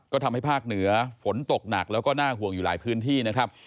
ก็ทำให้ภาคเหนือฝนตกหนักแล้วก็น่าห่วงอยู่หลายพื้นที่นะครับ